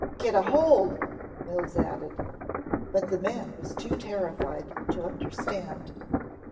"Get a hold," Mills added. But the man was too terrified to understand.